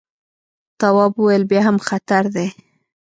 تواب وويل: بیا هم خطر دی.